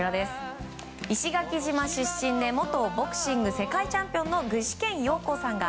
石垣島出身で元ボクシング世界チャンピオンの具志堅用高さんが